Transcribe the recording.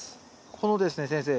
このですね先生